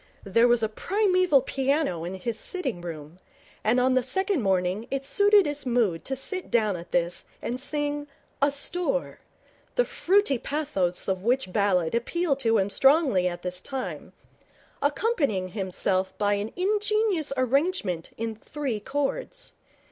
There was a primeval piano in his sitting room, and on the second morning it suited his mood to sit down at this and sing 'Asthore', the fruity pathos of which ballad appealed to him strongly at this time, accompanying himself by an ingenious arrangement in three chords.